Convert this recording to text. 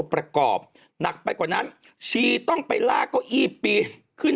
ประกอบหนักไปกว่านั้นชีต้องไปลากเก้าอี้ปีขึ้น